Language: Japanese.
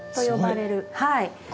はい。